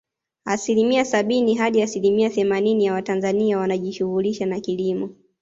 Asilimia sabini hadi asilimia themanini ya watanzania wanajishughulisha na kilimo